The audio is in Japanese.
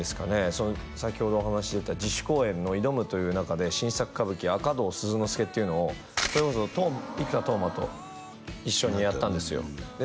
その先ほどお話出た自主公演の「挑む」という中で新作歌舞伎「赤胴鈴之助」っていうのをそれこそ生田斗真と一緒にやったんですよで